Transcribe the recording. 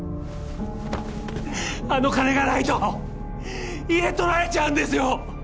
あの金がないと家取られちゃうんですよ！